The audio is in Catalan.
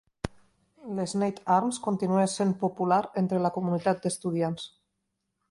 L'Sneyd Arms continua sent popular entre la comunitat d'estudiants.